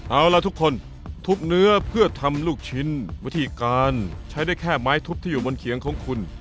เอาล่ะทุกคนทุบเนื้อเพื่อทำลูกชิ้นวิธีการใช้ได้แค่ไม้ทุบที่อยู่บนเขียงของคุณ